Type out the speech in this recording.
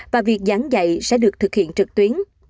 và việc giảng dạy sẽ được thực hiện trực tuyến